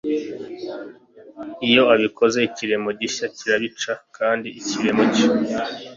iyo abikoze ikiremo gishya kirawuca kandi ikiremo cyo